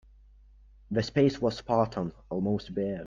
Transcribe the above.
The space was spartan, almost bare.